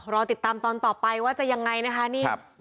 รอติดตามตอนต่อไปว่าจะยังไงนะคะ